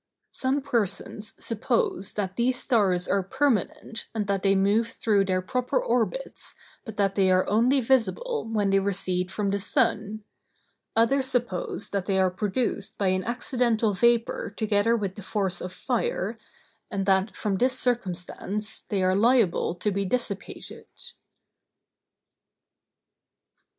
Some persons suppose that these stars are permanent and that they move through their proper orbits, but that they are only visible when they recede from the sun. Others suppose that they are produced by an accidental vapor together with the force of fire, and that, from this circumstance, they are liable to be dissipated.